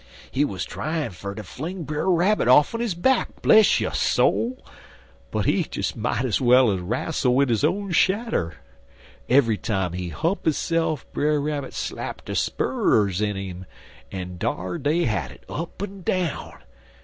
"He wuz tryin' fer ter fling Brer Rabbit off'n his back, bless yo' soul! But he des might ez well er rastle wid his own shadder. Every time he hump hisse'f Brer Rabbit slap de spurrers in 'im, en dar dey had it, up en down.